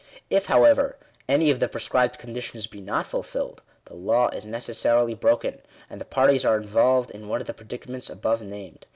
If, however, any of the prescribed conditions be not .fulfilled, the law is necessarily broken, and the parties are involved in one of the predicaments above named.